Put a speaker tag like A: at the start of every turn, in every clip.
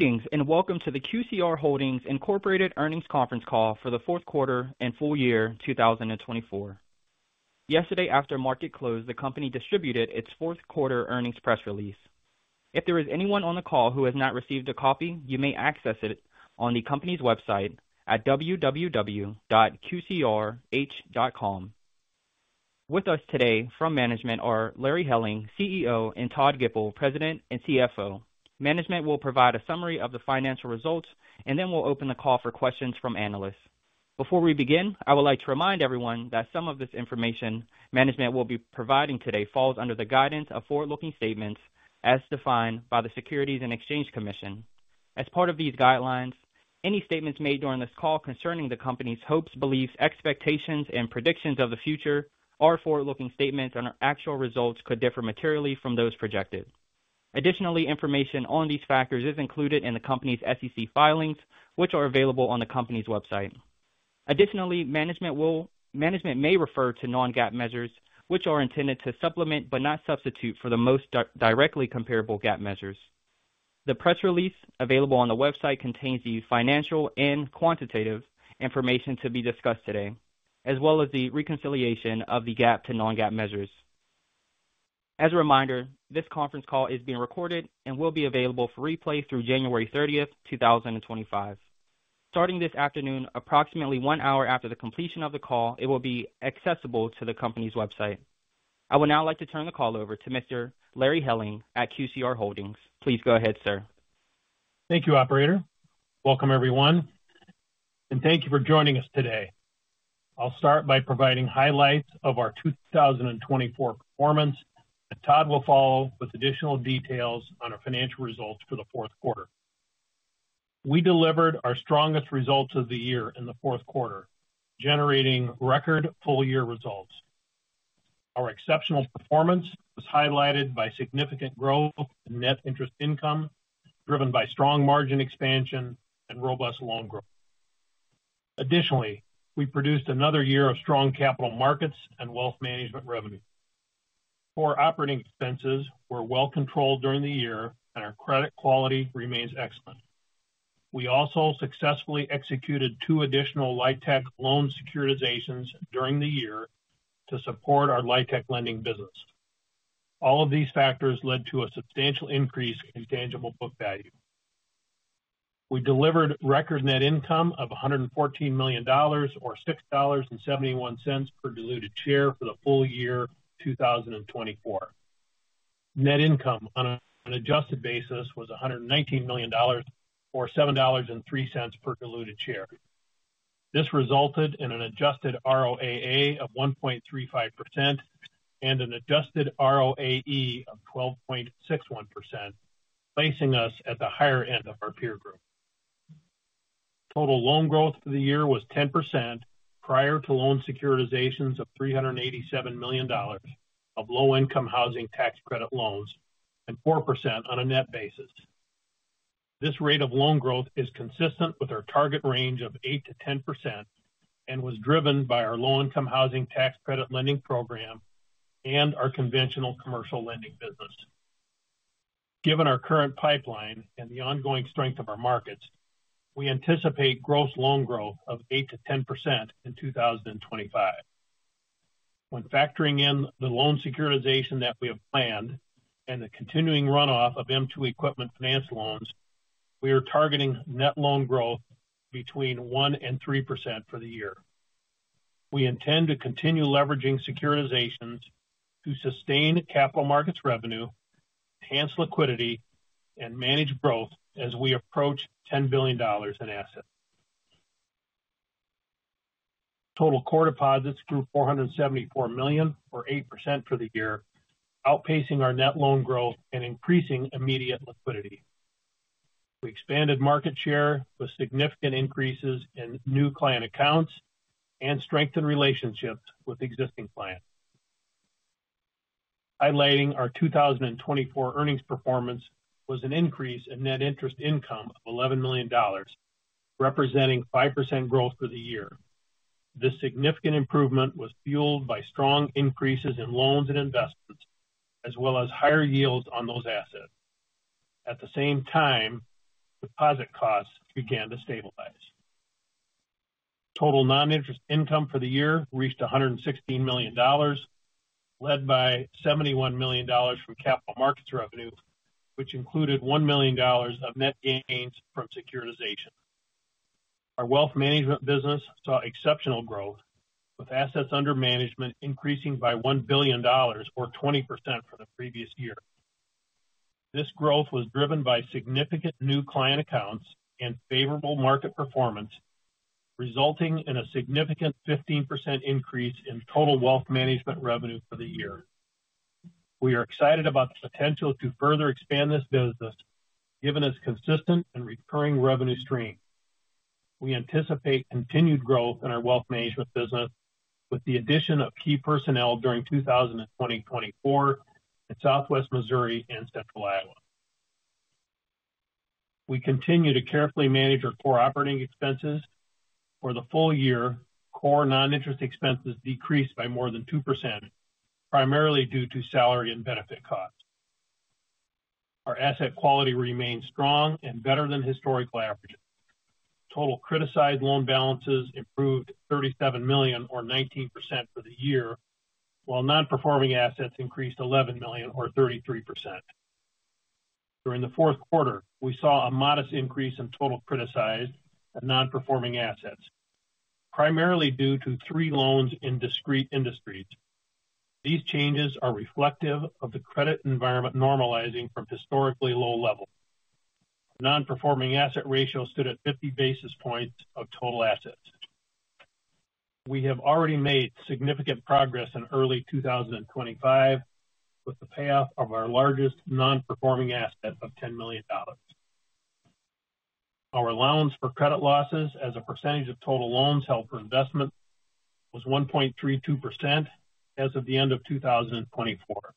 A: Greetings and welcome to the QCR Holdings Incorporated earnings conference call for the fourth quarter and full year 2024. Yesterday, after market close, the company distributed its fourth quarter earnings press release. If there is anyone on the call who has not received a copy, you may access it on the company's website at www.qcrh.com. With us today from management are Larry Helling, CEO, and Todd Gipple, President and CFO. Management will provide a summary of the financial results, and then we'll open the call for questions from analysts. Before we begin, I would like to remind everyone that some of this information management will be providing today falls under the guidance of forward-looking statements as defined by the Securities and Exchange Commission. As part of these guidelines, any statements made during this call concerning the company's hopes, beliefs, expectations, and predictions of the future are forward-looking statements, and our actual results could differ materially from those projected. Additionally, information on these factors is included in the company's SEC filings, which are available on the company's website. Additionally, management may refer to non-GAAP measures, which are intended to supplement but not substitute for the most directly comparable GAAP measures. The press release available on the website contains the financial and quantitative information to be discussed today, as well as the reconciliation of the GAAP to non-GAAP measures. As a reminder, this conference call is being recorded and will be available for replay through January 30th, 2025. Starting this afternoon, approximately one hour after the completion of the call, it will be accessible to the company's website. I would now like to turn the call over to Mr. Larry Helling at QCR Holdings. Please go ahead, sir.
B: Thank you, Operator. Welcome, everyone, and thank you for joining us today. I'll start by providing highlights of our 2024 performance, and Todd will follow with additional details on our financial results for the fourth quarter. We delivered our strongest results of the year in the fourth quarter, generating record full-year results. Our exceptional performance was highlighted by significant growth in net interest income driven by strong margin expansion and robust loan growth. Additionally, we produced another year of strong capital markets and wealth management revenue. Our operating expenses were well controlled during the year, and our credit quality remains excellent. We also successfully executed two additional LIHTC loan securitizations during the year to support our LIHTC lending business. All of these factors led to a substantial increase in tangible book value. We delivered record net income of $114 million, or $6.71 per diluted share, for the full year 2024. Net income on an adjusted basis was $119 million, or $7.03 per diluted share. This resulted in an adjusted ROAA of 1.35% and an adjusted ROAE of 12.61%, placing us at the higher end of our peer group. Total loan growth for the year was 10% prior to loan securitizations of $387 million of low-income housing tax credit loans and 4% on a net basis. This rate of loan growth is consistent with our target range of 8%-10% and was driven by our low-income housing tax credit lending program and our conventional commercial lending business. Given our current pipeline and the ongoing strength of our markets, we anticipate gross loan growth of 8%-10% in 2025. When factoring in the loan securitization that we have planned and the continuing runoff of M2 Equipment Finance loans, we are targeting net loan growth between 1 and 3% for the year. We intend to continue leveraging securitizations to sustain capital markets revenue, enhance liquidity, and manage growth as we approach $10 billion in assets. Total core deposits grew $474 million, or 8% for the year, outpacing our net loan growth and increasing immediate liquidity. We expanded market share with significant increases in new client accounts and strengthened relationships with existing clients. Highlighting our 2024 earnings performance was an increase in net interest income of $11 million, representing 5% growth for the year. This significant improvement was fueled by strong increases in loans and investments, as well as higher yields on those assets. At the same time, deposit costs began to stabilize. Total non-interest income for the year reached $116 million, led by $71 million from capital markets revenue, which included $1 million of net gains from securitization. Our wealth management business saw exceptional growth, with assets under management increasing by $1 billion, or 20% for the previous year. This growth was driven by significant new client accounts and favorable market performance, resulting in a significant 15% increase in total wealth management revenue for the year. We are excited about the potential to further expand this business, given its consistent and recurring revenue stream. We anticipate continued growth in our wealth management business with the addition of key personnel during 2024 in Southwest Missouri and Central Iowa. We continue to carefully manage our core operating expenses. For the full year, core non-interest expenses decreased by more than 2%, primarily due to salary and benefit costs. Our asset quality remains strong and better than historical averages. Total criticized loan balances improved $37 million, or 19%, for the year, while non-performing assets increased $11 million, or 33%. During the fourth quarter, we saw a modest increase in total criticized and non-performing assets, primarily due to three loans in discrete industries. These changes are reflective of the credit environment normalizing from historically low levels. Non-performing asset ratio stood at 50 basis points of total assets. We have already made significant progress in early 2025 with the payoff of our largest non-performing asset of $10 million. Our allowance for credit losses as a percentage of total loans held for investment was 1.32% as of the end of 2024,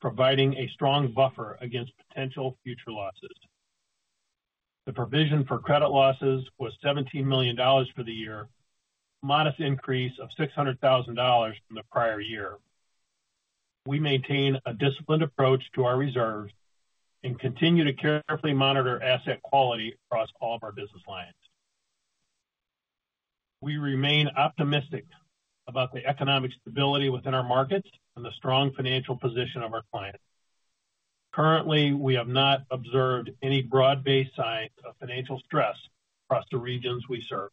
B: providing a strong buffer against potential future losses. The provision for credit losses was $17 million for the year, a modest increase of $600,000 from the prior year. We maintain a disciplined approach to our reserves and continue to carefully monitor asset quality across all of our business lines. We remain optimistic about the economic stability within our markets and the strong financial position of our clients. Currently, we have not observed any broad-based signs of financial stress across the regions we serve.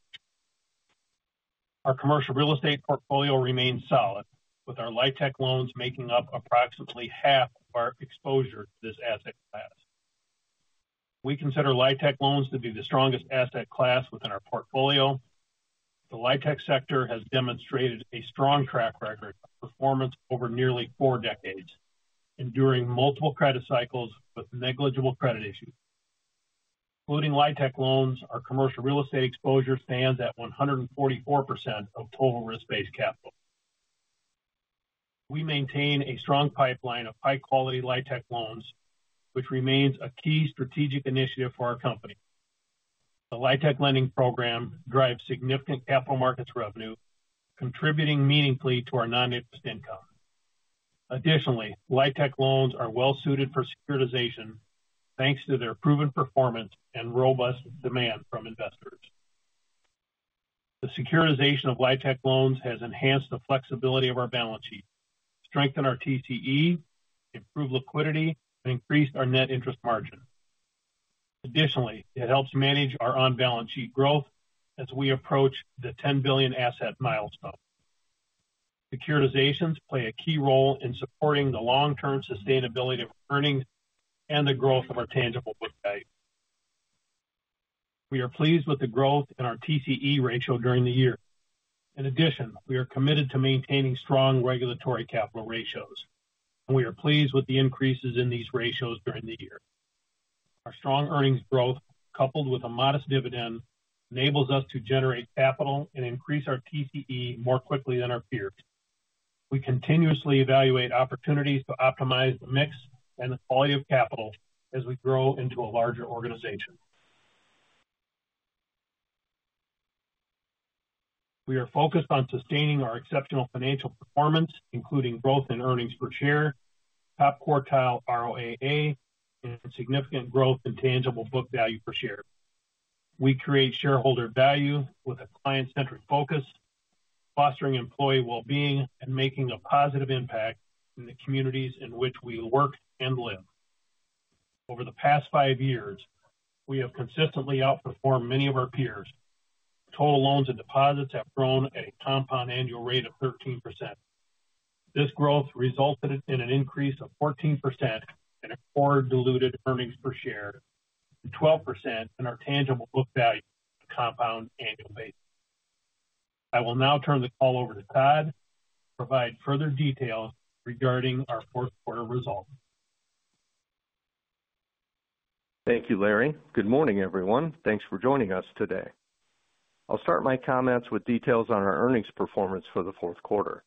B: Our commercial real estate portfolio remains solid, with our LIHTC loans making up approximately half of our exposure to this asset class. We consider LIHTC loans to be the strongest asset class within our portfolio. The LIHTC sector has demonstrated a strong track record of performance over nearly four decades, enduring multiple credit cycles with negligible credit issues. Including LIHTC loans, our commercial real estate exposure stands at 144% of total risk-based capital. We maintain a strong pipeline of high-quality LIHTC loans, which remains a key strategic initiative for our company. The LIHTC lending program drives significant capital markets revenue, contributing meaningfully to our non-interest income. Additionally, LIHTC loans are well-suited for securitization, thanks to their proven performance and robust demand from investors. The securitization of LIHTC loans has enhanced the flexibility of our balance sheet, strengthened our TCE, improved liquidity, and increased our net interest margin. Additionally, it helps manage our on-balance sheet growth as we approach the $10 billion asset milestone. Securitizations play a key role in supporting the long-term sustainability of earnings and the growth of our tangible book value. We are pleased with the growth in our TCE ratio during the year. In addition, we are committed to maintaining strong regulatory capital ratios, and we are pleased with the increases in these ratios during the year. Our strong earnings growth, coupled with a modest dividend, enables us to generate capital and increase our TCE more quickly than our peers. We continuously evaluate opportunities to optimize the mix and the quality of capital as we grow into a larger organization. We are focused on sustaining our exceptional financial performance, including growth in earnings per share, top quartile ROAA, and significant growth in tangible book value per share. We create shareholder value with a client-centric focus, fostering employee well-being and making a positive impact in the communities in which we work and live. Over the past five years, we have consistently outperformed many of our peers. Total loans and deposits have grown at a compound annual rate of 13%. This growth resulted in an increase of 14% in our core diluted earnings per share and 12% in our tangible book value on a compound annual basis. I will now turn the call over to Todd to provide further details regarding our fourth quarter results.
A: Thank you, Larry. Good morning, everyone. Thanks for joining us today. I'll start my comments with details on our earnings performance for the fourth quarter.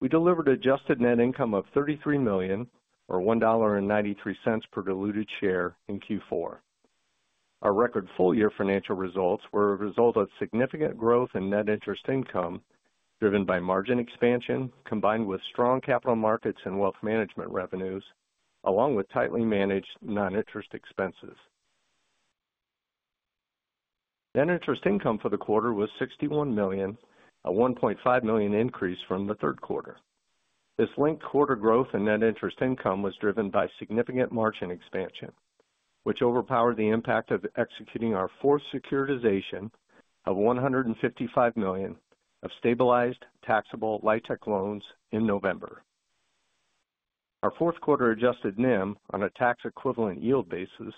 A: We delivered adjusted net income of $33 million, or $1.93 per diluted share, in Q4. Our record full-year financial results were a result of significant growth in net interest income driven by margin expansion, combined with strong capital markets and wealth management revenues, along with tightly managed non-interest expenses. Net interest income for the quarter was $61 million, a $1.5 million increase from the third quarter. This linked quarter growth in net interest income was driven by significant margin expansion, which overpowered the impact of executing our fourth securitization of $155 million of stabilized taxable LIHTC loans in November. Our fourth quarter adjusted NIM on a tax-equivalent yield basis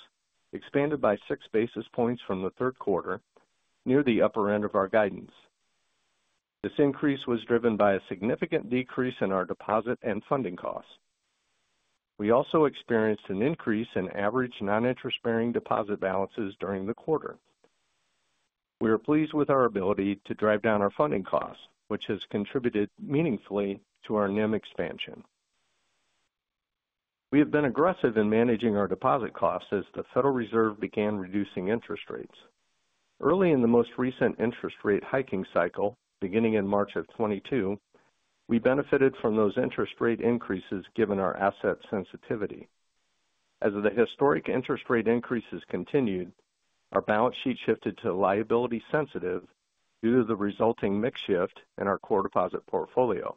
A: expanded by six basis points from the third quarter, near the upper end of our guidance. This increase was driven by a significant decrease in our deposit and funding costs. We also experienced an increase in average non-interest-bearing deposit balances during the quarter. We are pleased with our ability to drive down our funding costs, which has contributed meaningfully to our NIM expansion. We have been aggressive in managing our deposit costs as the Federal Reserve began reducing interest rates. Early in the most recent interest rate hiking cycle, beginning in March of 2022, we benefited from those interest rate increases given our asset sensitivity. As the historic interest rate increases continued, our balance sheet shifted to liability-sensitive due to the resulting mix shift in our core deposit portfolio,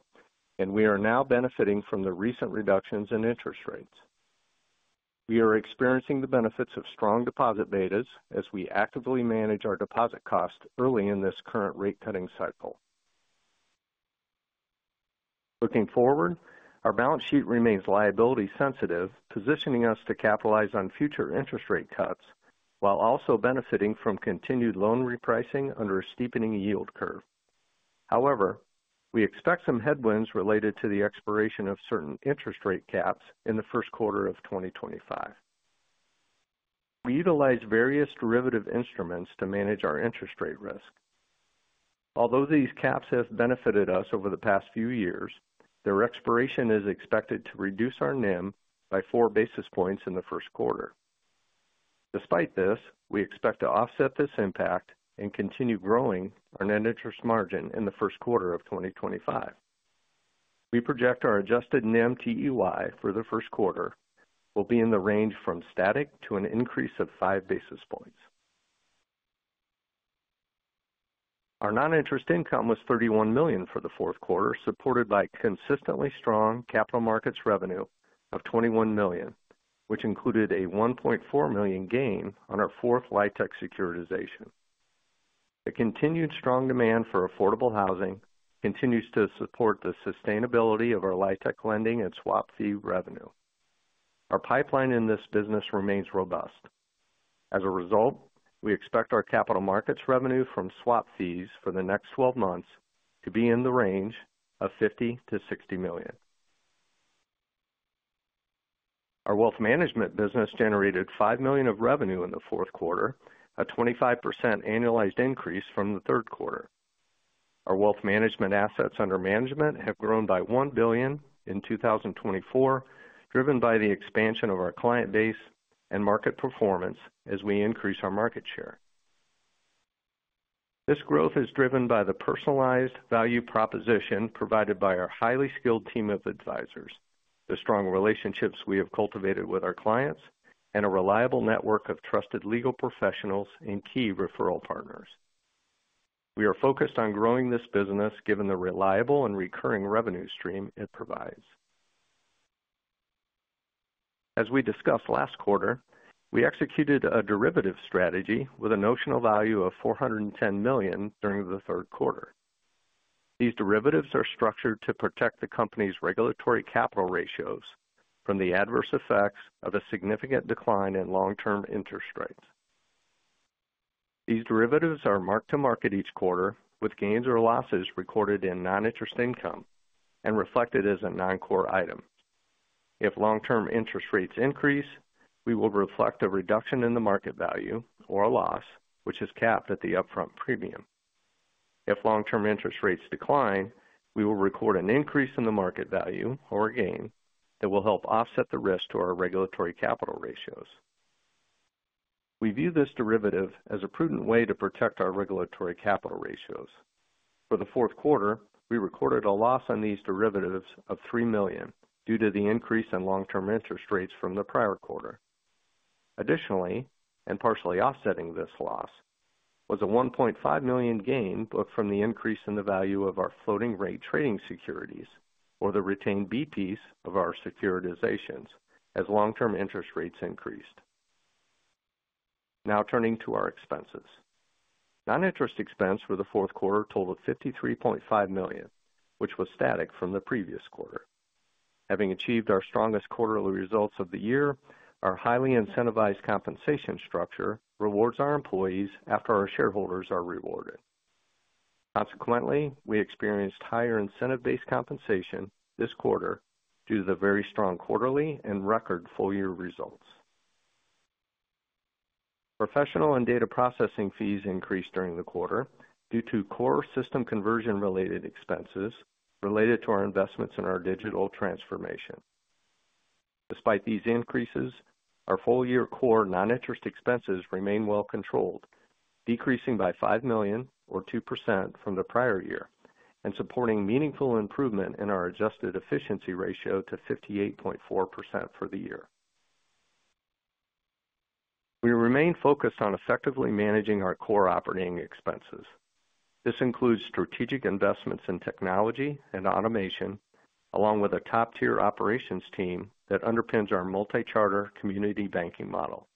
A: and we are now benefiting from the recent reductions in interest rates. We are experiencing the benefits of strong deposit betas as we actively manage our deposit costs early in this current rate-cutting cycle. Looking forward, our balance sheet remains liability-sensitive, positioning us to capitalize on future interest rate cuts while also benefiting from continued loan repricing under a steepening yield curve. However, we expect some headwinds related to the expiration of certain interest rate caps in the first quarter of 2025. We utilize various derivative instruments to manage our interest rate risk. Although these caps have benefited us over the past few years, their expiration is expected to reduce our NIM by four basis points in the first quarter. Despite this, we expect to offset this impact and continue growing our net interest margin in the first quarter of 2025. We project our adjusted NIM TEY for the first quarter will be in the range from static to an increase of five basis points. Our non-interest income was $31 million for the fourth quarter, supported by consistently strong capital markets revenue of $21 million, which included a $1.4 million gain on our fourth LIHTC securitization. The continued strong demand for affordable housing continues to support the sustainability of our LIHTC lending and swap fee revenue. Our pipeline in this business remains robust. As a result, we expect our capital markets revenue from swap fees for the next 12 months to be in the range of $50 million to $60 million. Our wealth management business generated $5 million of revenue in the fourth quarter, a 25% annualized increase from the third quarter. Our wealth management assets under management have grown by $1 billion in 2024, driven by the expansion of our client base and market performance as we increase our market share. This growth is driven by the personalized value proposition provided by our highly skilled team of advisors, the strong relationships we have cultivated with our clients, and a reliable network of trusted legal professionals and key referral partners. We are focused on growing this business given the reliable and recurring revenue stream it provides. As we discussed last quarter, we executed a derivative strategy with a notional value of $410 million during the third quarter. These derivatives are structured to protect the company's regulatory capital ratios from the adverse effects of a significant decline in long-term interest rates. These derivatives are marked to market each quarter, with gains or losses recorded in non-interest income and reflected as a non-core item. If long-term interest rates increase, we will reflect a reduction in the market value or a loss, which is capped at the upfront premium. If long-term interest rates decline, we will record an increase in the market value or a gain that will help offset the risk to our regulatory capital ratios. We view this derivative as a prudent way to protect our regulatory capital ratios. For the fourth quarter, we recorded a loss on these derivatives of $3 million due to the increase in long-term interest rates from the prior quarter. Additionally, and partially offsetting this loss, was a $1.5 million gain booked from the increase in the value of our floating-rate trading securities, or the retained BPs of our securitizations, as long-term interest rates increased. Now turning to our expenses. Non-interest expense for the fourth quarter totaled $53.5 million, which was static from the previous quarter. Having achieved our strongest quarterly results of the year, our highly incentivized compensation structure rewards our employees after our shareholders are rewarded. Consequently, we experienced higher incentive-based compensation this quarter due to the very strong quarterly and record full-year results. Professional and data processing fees increased during the quarter due to core system conversion-related expenses related to our investments in our digital transformation. Despite these increases, our full-year core non-interest expenses remain well controlled, decreasing by $5 million, or 2%, from the prior year, and supporting meaningful improvement in our adjusted efficiency ratio to 58.4% for the year. We remain focused on effectively managing our core operating expenses. This includes strategic investments in technology and automation, along with a top-tier operations team that underpins our multi-charter community banking model.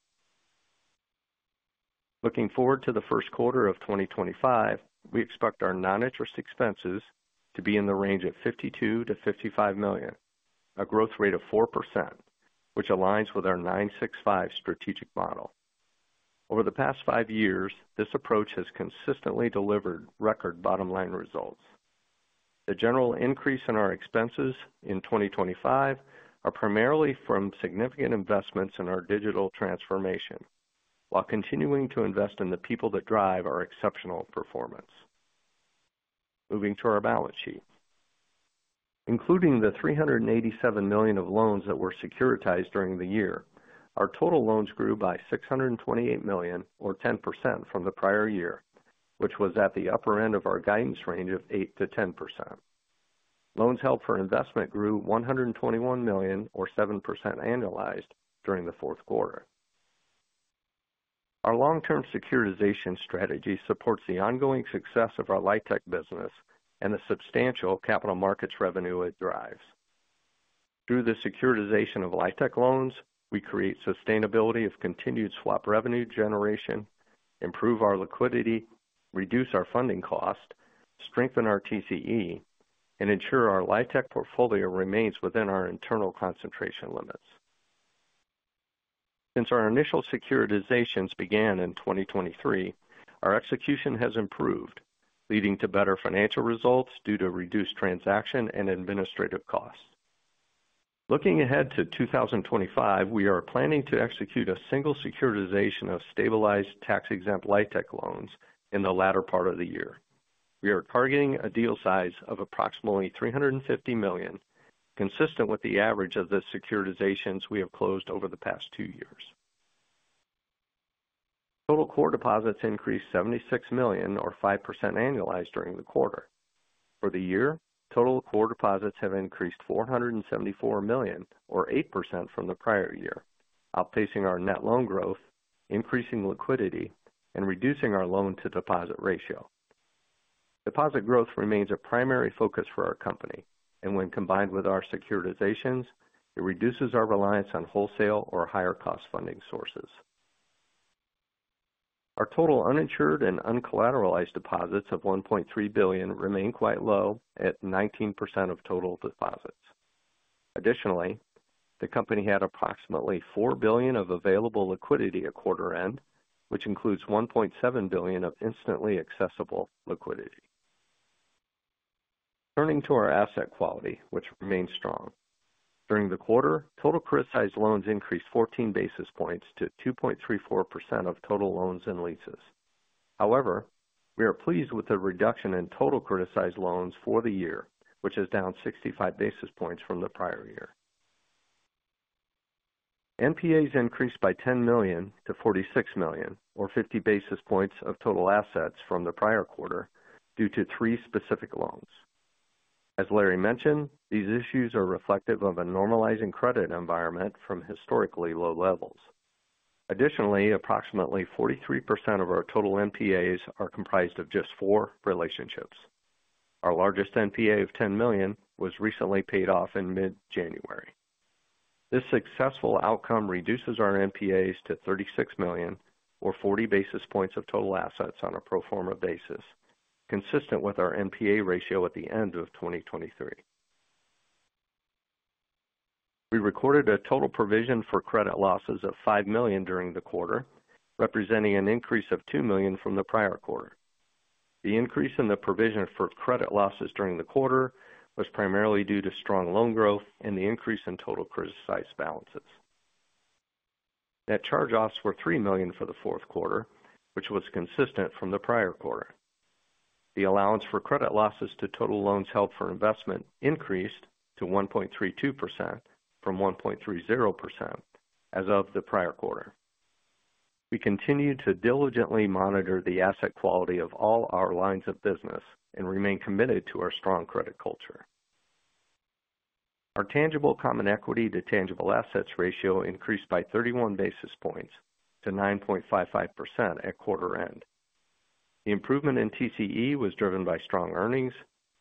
A: Looking forward to the first quarter of 2025, we expect our non-interest expenses to be in the range of $52 million-$55 million, a growth rate of 4%, which aligns with our 965 strategic model. Over the past five years, this approach has consistently delivered record bottom-line results. The general increase in our expenses in 2025 is primarily from significant investments in our digital transformation, while continuing to invest in the people that drive our exceptional performance. Moving to our balance sheet. Including the $387 million of loans that were securitized during the year, our total loans grew by $628 million, or 10%, from the prior year, which was at the upper end of our guidance range of 8%-10%. Loans held for investment grew $121 million, or 7%, annualized during the fourth quarter. Our long-term securitization strategy supports the ongoing success of our LIHTC business and the substantial capital markets revenue it drives. Through the securitization of LIHTC loans, we create sustainability of continued swap revenue generation, improve our liquidity, reduce our funding cost, strengthen our TCE, and ensure our LIHTC portfolio remains within our internal concentration limits. Since our initial securitizations began in 2023, our execution has improved, leading to better financial results due to reduced transaction and administrative costs. Looking ahead to 2025, we are planning to execute a single securitization of stabilized tax-exempt LIHTC loans in the latter part of the year. We are targeting a deal size of approximately $350 million, consistent with the average of the securitizations we have closed over the past two years. Total core deposits increased $76 million, or 5%, annualized during the quarter. For the year, total core deposits have increased $474 million, or 8%, from the prior year, outpacing our net loan growth, increasing liquidity, and reducing our loan-to-deposit ratio. Deposit growth remains a primary focus for our company, and when combined with our securitizations, it reduces our reliance on wholesale or higher-cost funding sources. Our total uninsured and uncollateralized deposits of $1.3 billion remain quite low, at 19% of total deposits. Additionally, the company had approximately $4 billion of available liquidity at quarter end, which includes $1.7 billion of instantly accessible liquidity. Turning to our asset quality, which remains strong. During the quarter, total criticized loans increased 14 basis points to 2.34% of total loans and leases. However, we are pleased with the reduction in total criticized loans for the year, which is down 65 basis points from the prior year. NPAs increased by $10 million to $46 million, or 50 basis points of total assets from the prior quarter, due to three specific loans. As Larry mentioned, these issues are reflective of a normalizing credit environment from historically low levels. Additionally, approximately 43% of our total NPAs are comprised of just four relationships. Our largest NPA of $10 million was recently paid off in mid-January. This successful outcome reduces our NPAs to $36 million, or 40 basis points of total assets on a pro forma basis, consistent with our NPA ratio at the end of 2023. We recorded a total provision for credit losses of $5 million during the quarter, representing an increase of $2 million from the prior quarter. The increase in the provision for credit losses during the quarter was primarily due to strong loan growth and the increase in total criticized balances. Net charge-offs were $3 million for the fourth quarter, which was consistent from the prior quarter. The Allowance for Credit Losses to total loans held for investment increased to 1.32%, from 1.30%, as of the prior quarter. We continue to diligently monitor the asset quality of all our lines of business and remain committed to our strong credit culture. Our Tangible Common Equity to tangible assets ratio increased by 31 basis points to 9.55% at quarter end. The improvement in TCE was driven by strong earnings,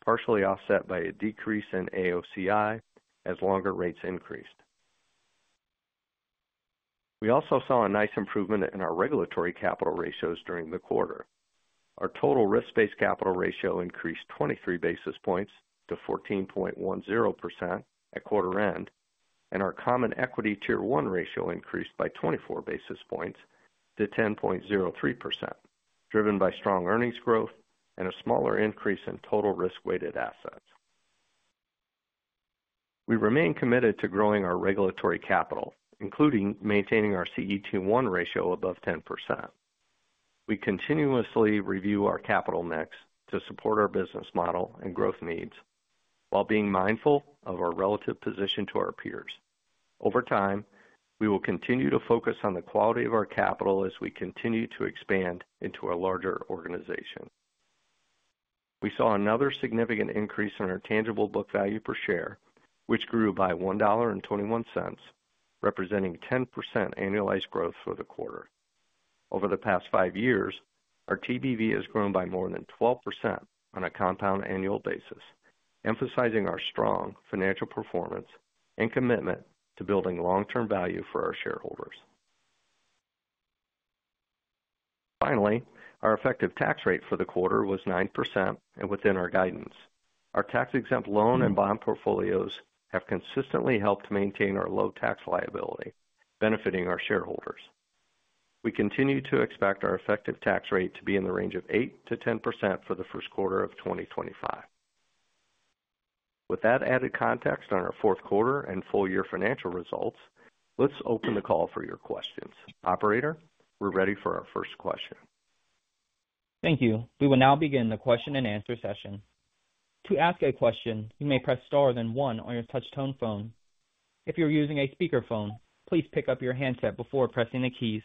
A: partially offset by a decrease in AOCI as longer rates increased. We also saw a nice improvement in our regulatory capital ratios during the quarter. Our total Risk-Based Capital ratio increased 23 basis points to 14.10% at quarter end, and our Common Equity Tier 1 ratio increased by 24 basis points to 10.03%, driven by strong earnings growth and a smaller increase in total risk-weighted assets. We remain committed to growing our regulatory capital, including maintaining our CET1 ratio above 10%. We continuously review our capital mix to support our business model and growth needs, while being mindful of our relative position to our peers. Over time, we will continue to focus on the quality of our capital as we continue to expand into a larger organization. We saw another significant increase in our tangible book value per share, which grew by $1.21, representing 10% annualized growth for the quarter. Over the past five years, our TBV has grown by more than 12% on a compound annual basis, emphasizing our strong financial performance and commitment to building long-term value for our shareholders. Finally, our effective tax rate for the quarter was 9%, and within our guidance. Our tax-exempt loan and bond portfolios have consistently helped maintain our low tax liability, benefiting our shareholders. We continue to expect our effective tax rate to be in the range of 8%-10% for the first quarter of 2025. With that added context on our fourth quarter and full-year financial results, let's open the call for your questions. Operator, we're ready for our first question.
C: Thank you. We will now begin the question-and-answer session. To ask a question, you may press star then one on your touch-tone phone. If you're using a speakerphone, please pick up your handset before pressing the keys.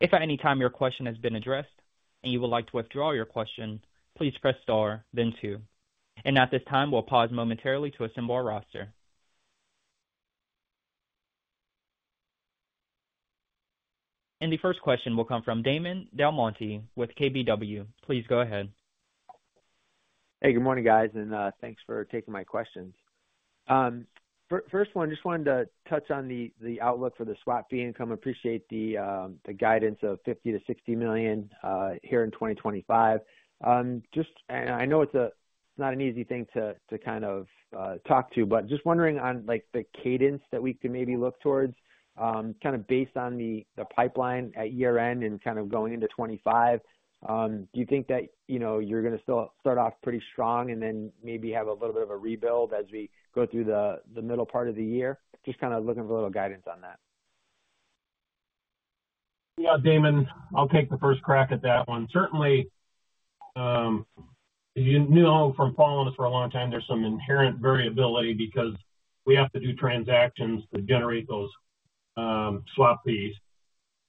C: If at any time your question has been addressed and you would like to withdraw your question, please press star, then two. And at this time, we'll pause momentarily to assemble our roster. And the first question will come from Damon DelMonte with KBW. Please go ahead.
D: Hey, good morning, guys, and thanks for taking my questions. First one, just wanted to touch on the outlook for the swap fee income. Appreciate the guidance of $50-$60 million here in 2025. Just, and I know it's not an easy thing to kind of talk to, but just wondering on the cadence that we can maybe look towards, kind of based on the pipeline at year-end and kind of going into 2025, do you think that you're going to still start off pretty strong and then maybe have a little bit of a rebuild as we go through the middle part of the year? Just kind of looking for a little guidance on that.
B: Yeah, Damon, I'll take the first crack at that one. Certainly, as you know from following us for a long time, there's some inherent variability because we have to do transactions to generate those swap fees.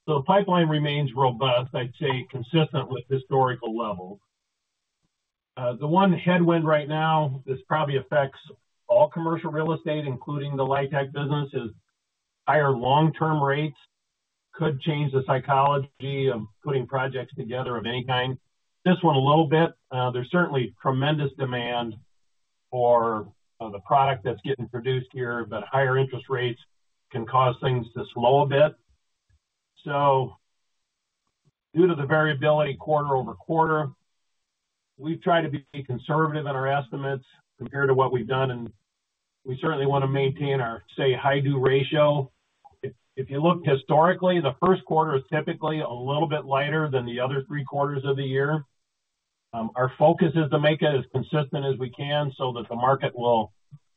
B: So the pipeline remains robust, I'd say consistent with historical levels. The one headwind right now that probably affects all commercial real estate, including the LIHTC business, is higher long-term rates could change the psychology of putting projects together of any kind. This one a little bit. There's certainly tremendous demand for the product that's getting produced here, but higher interest rates can cause things to slow a bit. So due to the variability quarter over quarter, we've tried to be conservative in our estimates compared to what we've done, and we certainly want to maintain our, say, loan-to-deposit ratio. If you look historically, the first quarter is typically a little bit lighter than the other three quarters of the year. Our focus is to make it as consistent as we can so that the market will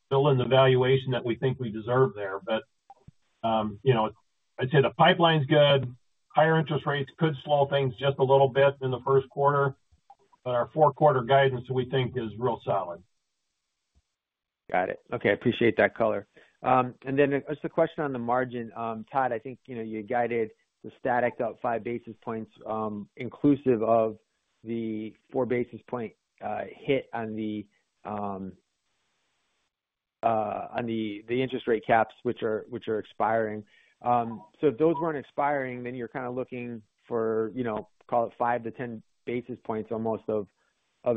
B: fill in the valuation that we think we deserve there. I'd say the pipeline's good. Higher interest rates could slow things just a little bit in the first quarter, but our four-quarter guidance, we think, is real solid. Got it.
D: Okay. Appreciate that color. Then the question on the margin, Todd, I think you guided the static up five basis points inclusive of the four basis points hit on the interest rate caps, which are expiring. So if those weren't expiring, then you're kind of looking for, call it, 5-10 basis points almost of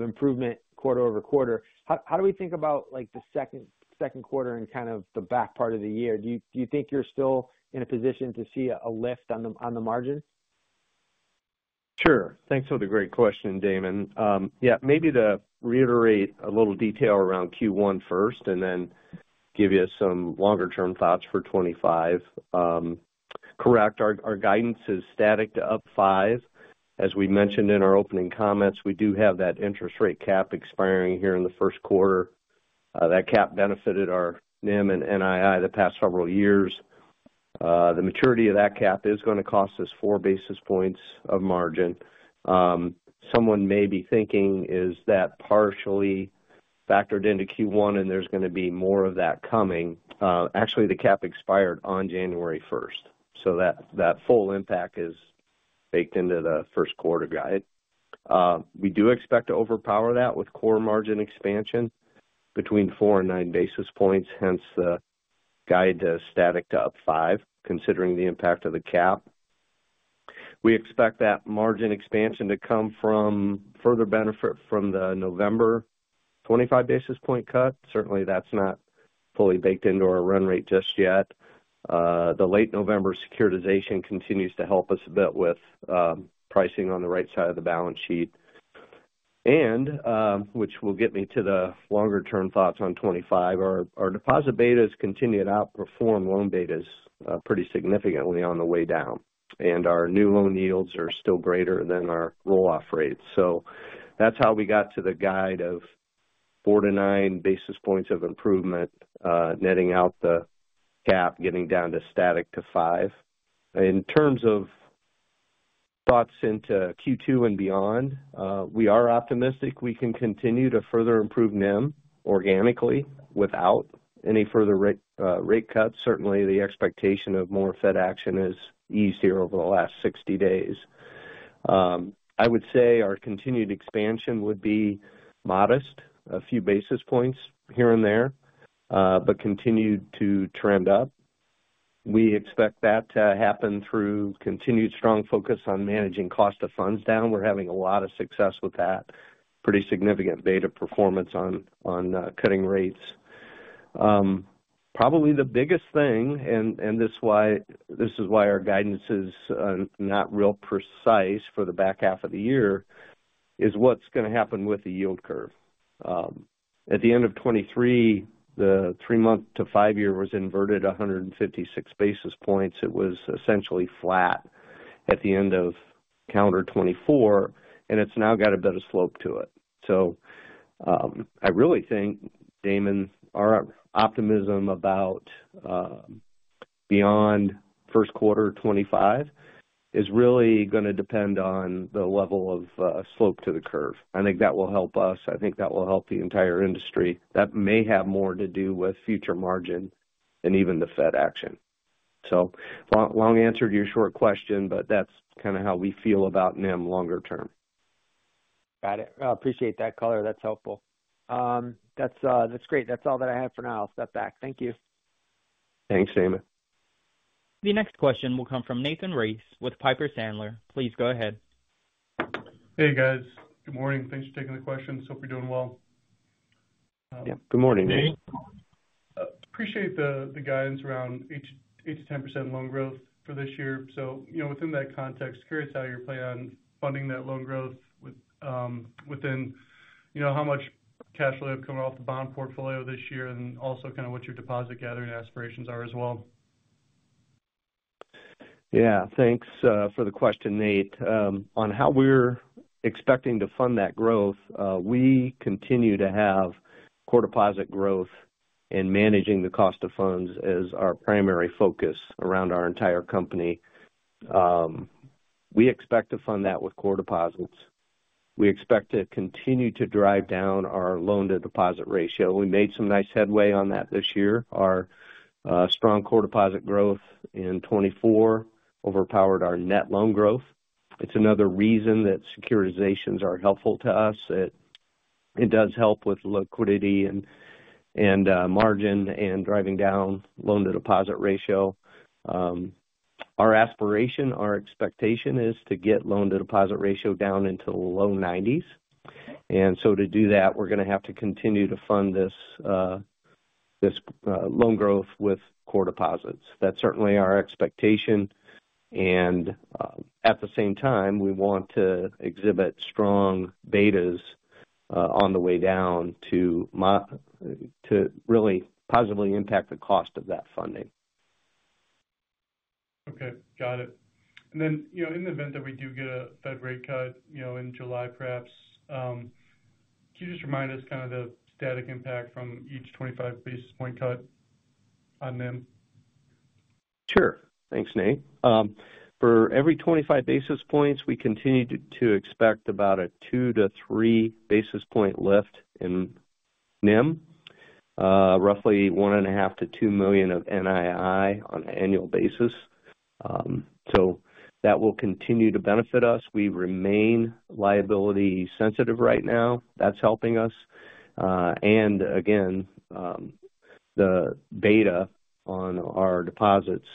D: improvement quarter over quarter. How do we think about the second quarter and kind of the back part of the year? Do you think you're still in a position to see a lift on the margin?
A: Sure. Thanks for the great question, Damon. Yeah, maybe to reiterate a little detail around Q1 first and then give you some longer-term thoughts for 2025. Correct. Our guidance is static to up five. As we mentioned in our opening comments, we do have that interest rate cap expiring here in the first quarter. That cap benefited our NIM and NII the past several years. The maturity of that cap is going to cost us four basis points of margin. Someone may be thinking, "Is that partially factored into Q1, and there's going to be more of that coming?" Actually, the cap expired on January 1st, so that full impact is baked into the first quarter guide. We do expect to overpower that with core margin expansion between four and nine basis points, hence the guide to static to up five, considering the impact of the cap. We expect that margin expansion to come from further benefit from the November 25 basis point cut. Certainly, that's not fully baked into our run rate just yet. The late November securitization continues to help us a bit with pricing on the right side of the balance sheet. And which will get me to the longer-term thoughts on 2025, our deposit betas continue to outperform loan betas pretty significantly on the way down. And our new loan yields are still greater than our roll-off rates. So that's how we got to the guide of four to nine basis points of improvement, netting out the cap, getting down to static to five. In terms of thoughts into Q2 and beyond, we are optimistic we can continue to further improve NIM organically without any further rate cuts. Certainly, the expectation of more Fed action is easier over the last 60 days. I would say our continued expansion would be modest, a few basis points here and there, but continue to trend up. We expect that to happen through continued strong focus on managing cost of funds down. We're having a lot of success with that, pretty significant beta performance on cutting rates. Probably the biggest thing, and this is why our guidance is not real precise for the back half of the year, is what's going to happen with the yield curve. At the end of 2023, the three-month to five-year was inverted 156 basis points. It was essentially flat at the end of calendar 2024, and it's now got a bit of slope to it. So I really think, Damon, our optimism about beyond first quarter 2025 is really going to depend on the level of slope to the curve. I think that will help us. I think that will help the entire industry. That may have more to do with future margin than even the Fed action. So long answer to your short question, but that's kind of how we feel about NIM longer term.
D: Got it. Appreciate that color. That's helpful. That's great. That's all that I have for now. I'll step back. Thank you.
B: Thanks, Damon.
C: The next question will come from Nathan Race with Piper Sandler. Please go ahead.
E: Hey, guys. Good morning. Thanks for taking the question. Hope you're doing well. Good morning. Appreciate the guidance around 8%-10% loan growth for this year. So within that context, curious how you're planning on funding that loan growth within how much cash will have come off the bond portfolio this year, and also kind of what your deposit gathering aspirations are as well.
B: Yeah. Thanks for the question, Nate. On how we're expecting to fund that growth, we continue to have core deposit growth and managing the cost of funds as our primary focus around our entire company. We expect to fund that with core deposits. We expect to continue to drive down our loan-to-deposit ratio. We made some nice headway on that this year. Our strong core deposit growth in 2024 overpowered our net loan growth. It's another reason that securitizations are helpful to us. It does help with liquidity and margin and driving down loan-to-deposit ratio. Our aspiration, our expectation is to get loan-to-deposit ratio down into the low 90s, and so to do that, we're going to have to continue to fund this loan growth with core deposits. That's certainly our expectation, and at the same time, we want to exhibit strong betas on the way down to really positively impact the cost of that funding.
E: Okay. Got it. And then in the event that we do get a Fed rate cut in July, perhaps, can you just remind us kind of the static impact from each 25 basis point cut on NIM?
B: Sure. Thanks, Nate. For every 25 basis points, we continue to expect about a two to three basis point lift in NIM, roughly $1.5 million-$2 million of NII on an annual basis. So that will continue to benefit us. We remain liability sensitive right now. That's helping us. And again, the beta on our deposits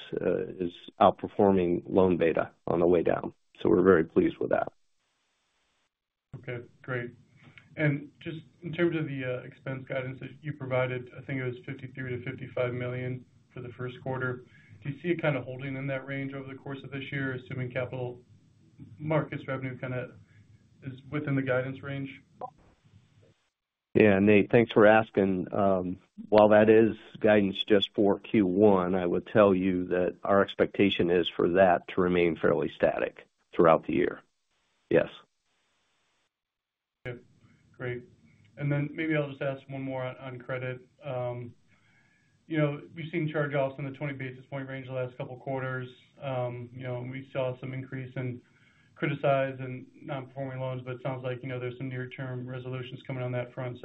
B: is outperforming loan beta on the way down. So we're very pleased with that.
E: Okay. Great. And just in terms of the expense guidance that you provided, I think it was $53 million-$55 million for the first quarter. Do you see it kind of holding in that range over the course of this year, assuming capital markets revenue kind of is within the guidance range?
A: Yeah. And thanks for asking. While that is guidance just for Q1, I would tell you that our expectation is for that to remain fairly static throughout the year. Yes.
E: Okay. Great. And then maybe I'll just ask one more on credit. We've seen charge-offs in the 20 basis points range the last couple of quarters. We saw some increase in criticized and non-performing loans, but it sounds like there's some near-term resolutions coming on that front.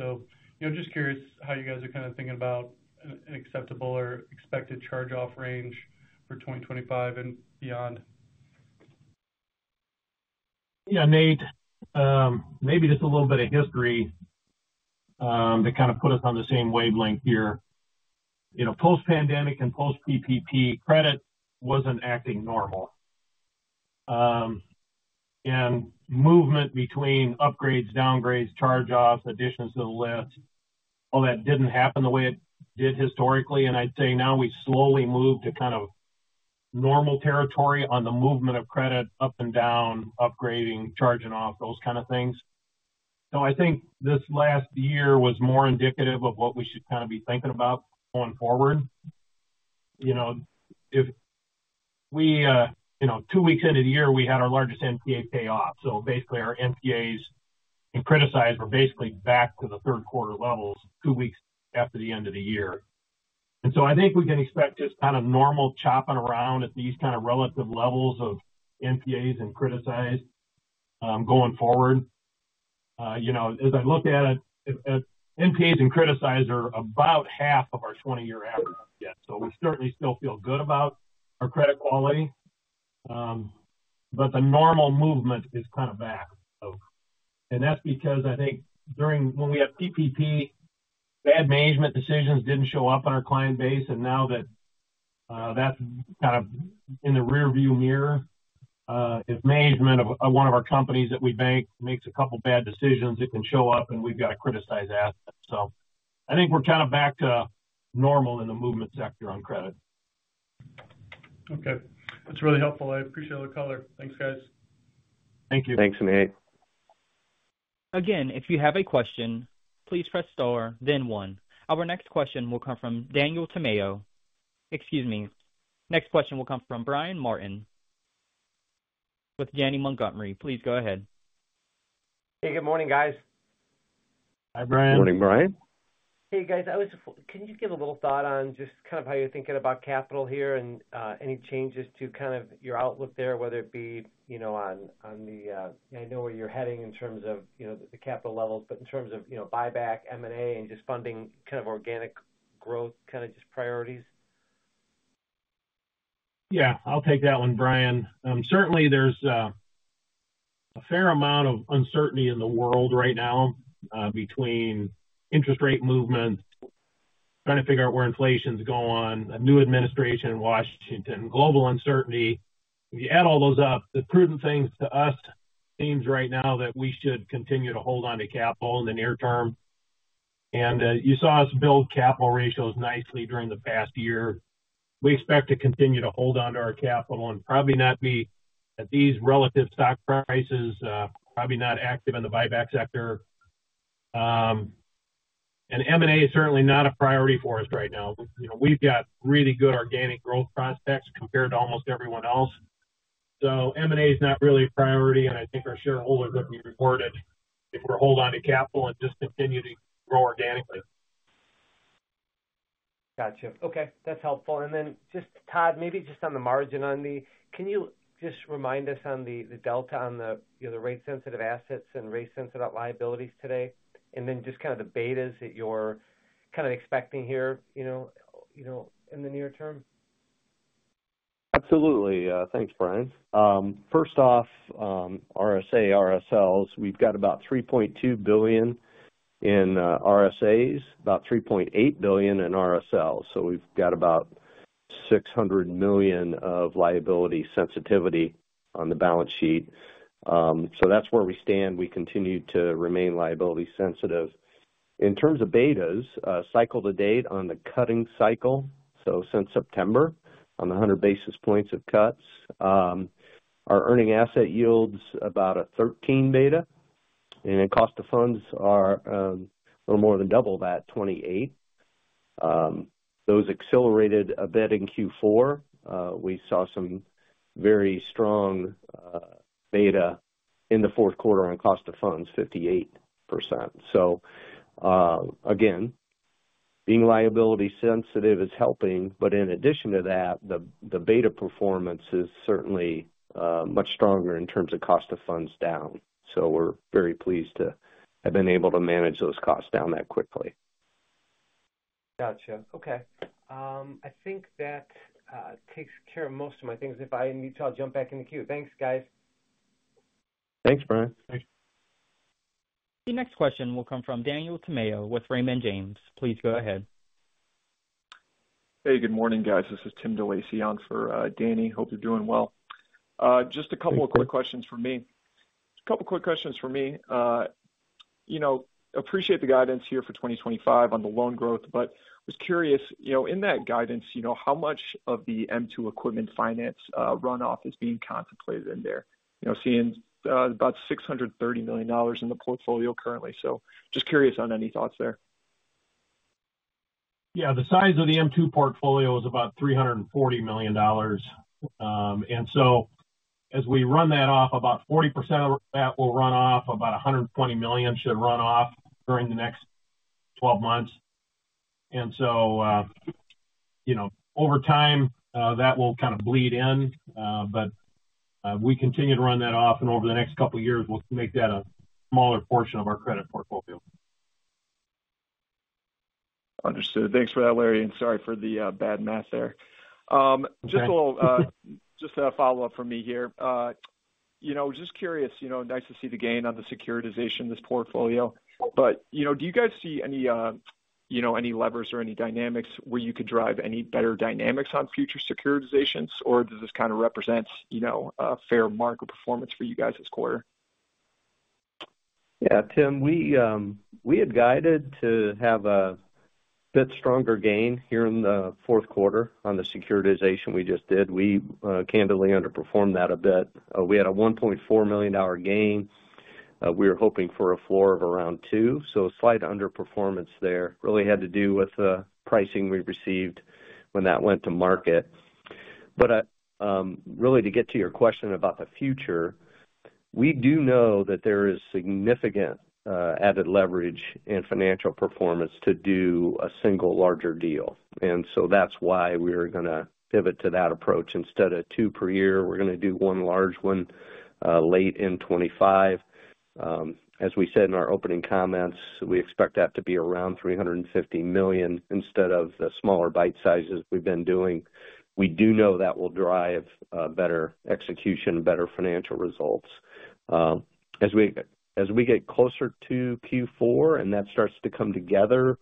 E: So just curious how you guys are kind of thinking about an acceptable or expected charge-off range for 2025 and beyond.
B: Yeah. Maybe just a little bit of history to kind of put us on the same wavelength here. Post-pandemic and post-PPP, credit wasn't acting normal. Movement between upgrades, downgrades, charge-offs, additions to the list, all that didn't happen the way it did historically. I'd say now we slowly moved to kind of normal territory on the movement of credit up and down, upgrading, charging off, those kind of things. I think this last year was more indicative of what we should kind of be thinking about going forward. If we're two weeks into the year, we had our largest NPA payoff. Basically, our NPAs and criticized were basically back to the third quarter levels two weeks after the end of the year. I think we can expect just kind of normal chopping around at these kind of relative levels of NPAs and criticized going forward. As I looked at it, NPAs and criticized are about half of our 20-year average yet. So we certainly still feel good about our credit quality. But the normal movement is kind of back. And that's because I think when we had PPP, bad management decisions didn't show up on our client base. And now that that's kind of in the rearview mirror, if management of one of our companies that we bank makes a couple of bad decisions, it can show up, and we've got to criticize assets. So I think we're kind of back to normal in the movement sector on credit.
E: Okay. That's really helpful. I appreciate all the color. Thanks, guys.
B: Thank you. Thanks, Nate.
C: Again, if you have a question, please press star, then one. Our next question will come from Daniel Tamayo. Excuse me. Next question will come from Brian Martin with Janney Montgomery Scott. Please go ahead.
F: Hey, good morning, guys. Hi, Brian. Good morning, Brian. Hey, guys. Can you give a little thought on just kind of how you're thinking about capital here and any changes to kind of your outlook there, whether it be on the I know where you're heading in terms of the capital levels, but in terms of buyback, M&A, and just funding kind of organic growth kind of just priorities?
B: Yeah. I'll take that one, Brian. Certainly, there's a fair amount of uncertainty in the world right now between interest rate movement, trying to figure out where inflation's going, a new administration in Washington, global uncertainty. If you add all those up, the prudent things to us seems right now that we should continue to hold on to capital in the near term. And you saw us build capital ratios nicely during the past year. We expect to continue to hold on to our capital and probably not be at these relative stock prices, probably not active in the buyback sector, and M&A is certainly not a priority for us right now. We've got really good organic growth prospects compared to almost everyone else. So M&A is not really a priority, and I think our shareholders would be rewarded if we're holding on to capital and just continue to grow organically.
F: Gotcha. Okay. That's helpful. And then just, Todd, maybe just on the margin, can you just remind us on the delta on the rate-sensitive assets and rate-sensitive liabilities today? And then just kind of the betas that you're kind of expecting here in the near term?
A: Absolutely. Thanks, Brian. First off, RSA, RSLs. We've got about $3.2 billion in RSAs, about $3.8 billion in RSLs. So we've got about $600 million of liability sensitivity on the balance sheet. So that's where we stand. We continue to remain liability sensitive. In terms of betas, cycle to date on the cutting cycle, so since September, on the 100 basis points of cuts, our earning asset yields about a 13% beta. And then cost of funds are a little more than double that, 28%. Those accelerated a bit in Q4. We saw some very strong beta in the fourth quarter on cost of funds, 58%. So again, being liability sensitive is helping, but in addition to that, the beta performance is certainly much stronger in terms of cost of funds down. So we're very pleased to have been able to manage those costs down that quickly.
F: Gotcha. Okay. I think that takes care of most of my things. If I need to, I'll jump back in the queue. Thanks, guys.
B: Thanks, Brian.
C: The next question will come from Daniel Tamayo with Raymond James. Please go ahead.
G: Hey, good morning, guys. This is Tim DeLacey for Danny. Hope you're doing well. Just a couple of quick questions for me. Appreciate the guidance here for 2025 on the loan growth, but I was curious, in that guidance, how much of the M2 Equipment Finance runoff is being contemplated in there? Seeing about $630 million in the portfolio currently. So just curious on any thoughts there.
B: Yeah. The size of the M2 portfolio is about $340 million. And so as we run that off, about 40% of that will run off, about $120 million should run off during the next 12 months. And so over time, that will kind of bleed in, but we continue to run that off, and over the next couple of years, we'll make that a smaller portion of our credit portfolio.
G: Understood. Thanks for that, Larry. And sorry for the bad math there. Just a follow-up from me here. Just curious, nice to see the gain on the securitization of this portfolio, but do you guys see any levers or any dynamics where you could drive any better dynamics on future securitizations, or does this kind of represent a fair market performance for you guys this quarter?
B: Yeah. Tim, we had guided to have a bit stronger gain here in the fourth quarter on the securitization we just did. We candidly underperformed that a bit. We had a $1.4 million gain. We were hoping for a floor of around 2. Slight underperformance there really had to do with the pricing we received when that went to market, but really, to get to your question about the future, we do know that there is significant added leverage and financial performance to do a single larger deal, and so that's why we're going to pivot to that approach. Instead of two per year, we're going to do one large one late in 2025. As we said in our opening comments, we expect that to be around $350 million instead of the smaller bite sizes we've been doing. We do know that will drive better execution, better financial results. As we get closer to Q4 and that starts to come together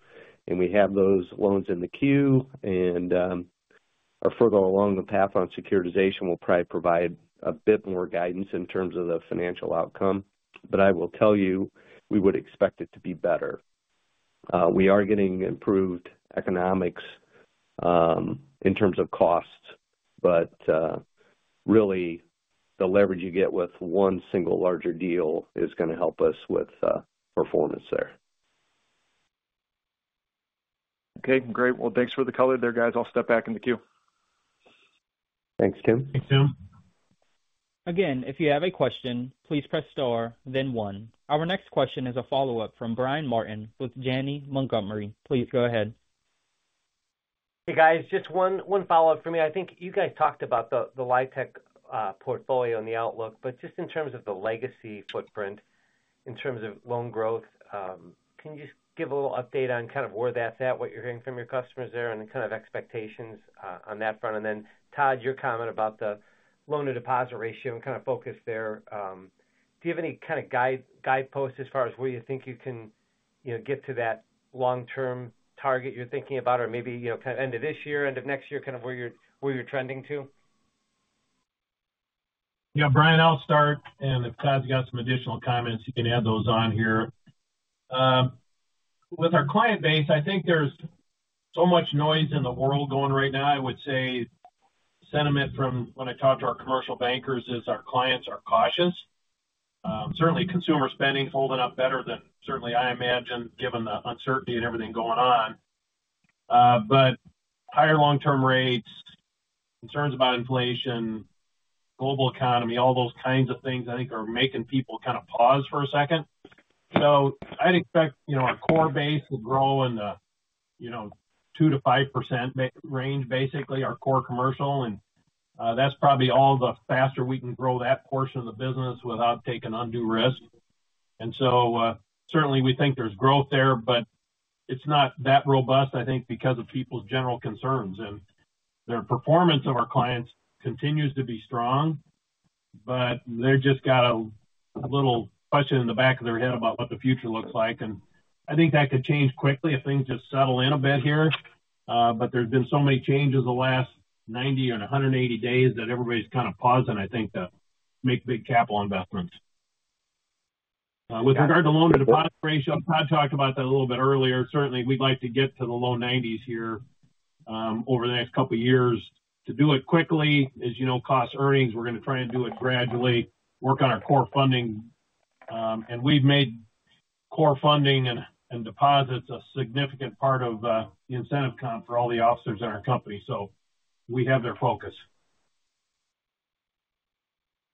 B: and we have those loans in the queue and are further along the path on securitization, we'll probably provide a bit more guidance in terms of the financial outcome. But I will tell you, we would expect it to be better. We are getting improved economics in terms of costs, but really, the leverage you get with one single larger deal is going to help us with performance there.
G: Okay. Great. Well, thanks for the color there, guys. I'll step back in the queue.
A: Thanks, Tim.
B: Thanks, Tim.
C: Again, if you have a question, please press star, then one. Our next question is a follow-up from Brian Martin with Janney Montgomery Scott. Please go ahead.
F: Hey, guys. Just one follow-up for me. I think you guys talked about the LIHTC portfolio and the outlook, but just in terms of the legacy footprint, in terms of loan growth, can you just give a little update on kind of where that's at, what you're hearing from your customers there, and then kind of expectations on that front? And then, Todd, your comment about the loan-to-deposit ratio and kind of focus there. Do you have any kind of guideposts as far as where you think you can get to that long-term target you're thinking about, or maybe kind of end of this year, end of next year, kind of where you're trending to?
B: Yeah. Brian, I'll start. And if Todd's got some additional comments, you can add those on here. With our client base, I think there's so much noise in the world going right now. I would say sentiment from when I talked to our commercial bankers is our clients are cautious. Certainly, consumer spending is holding up better than I imagine, given the uncertainty and everything going on. But higher long-term rates, concerns about inflation, global economy, all those kinds of things, I think, are making people kind of pause for a second. So I'd expect our core base to grow in the 2%-5% range, basically, our core commercial. And that's probably all the faster we can grow that portion of the business without taking undue risk. And so certainly, we think there's growth there, but it's not that robust, I think, because of people's general concerns. And the performance of our clients continues to be strong, but they've just got a little question in the back of their head about what the future looks like. And I think that could change quickly if things just settle in a bit here. But there's been so many changes the last 90 or 180 days that everybody's kind of pausing, I think, to make big capital investments. With regard to loan-to-deposit ratio, Todd talked about that a little bit earlier. Certainly, we'd like to get to the low 90s here over the next couple of years. To do it quickly, as you know, cost earnings, we're going to try and do it gradually, work on our core funding. And we've made core funding and deposits a significant part of the incentive comp for all the officers in our company. So we have their focus.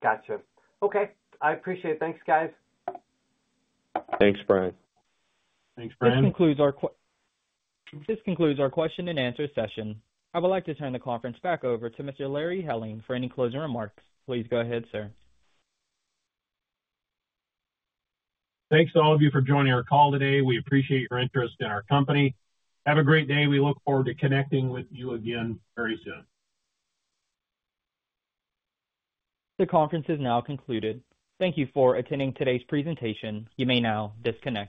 F: Gotcha. Okay. I appreciate it. Thanks, guys.
B: Thanks, Brian.
A: Thanks, Brian.
C: This concludes our question-and-answer session. I would like to turn the conference back over to Mr. Larry Helling for any closing remarks. Please go ahead, sir.
B: Thanks to all of you for joining our call today. We appreciate your interest in our company. Have a great day. We look forward to connecting with you again very soon.
C: The conference is now concluded. Thank you for attending today's presentation. You may now disconnect.